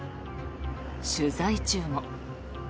取材中も。